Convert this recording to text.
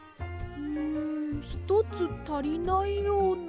ん１つたりないような。